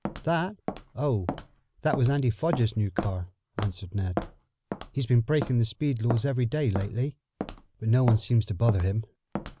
"That? Oh, that was Andy Foger's new car," answered Ned. "He's been breaking the speed laws every day lately, but no one seems to bother him.